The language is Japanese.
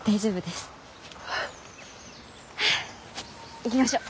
行きましょう。